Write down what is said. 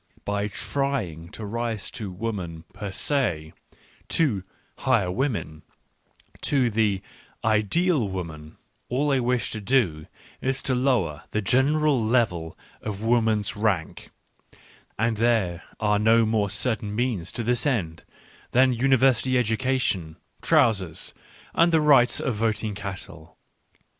By trying to rise to " Woman per se" to " Higher Woman," to the " Ideal Woman," all they wish to do is to lower the general level of ( women's rank : and there are no more certain means I to this end than university education, trousers, and the rights of voting cattle.